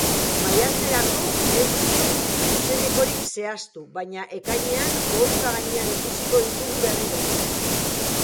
Maiatzerako ez dute zuzenekorik zehaztu, baina ekainean oholtza gainean ikusiko ditugu berriro.